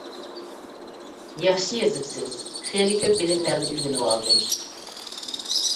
ياخشى يېزىپسىز، خېلى كۆپ بىلىملەرنى ئۆگىنىۋالدىم.